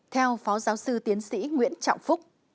theo phó giáo sư tiến sĩ nguyễn trọng phúc